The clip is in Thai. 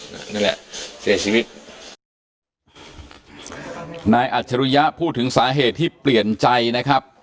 นั่นแหละเสียชีวิตนายอัจฉริยะพูดถึงสาเหตุที่เปลี่ยนใจนะครับ